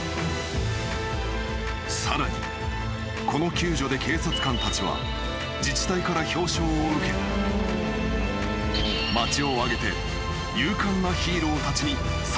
［さらにこの救助で警察官たちは自治体から表彰を受け町を挙げて勇敢なヒーローたちに賛辞が送られた］